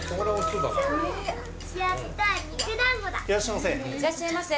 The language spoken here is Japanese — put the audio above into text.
いらっしゃいませ。